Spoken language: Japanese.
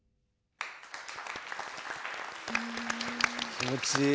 気持ちいい。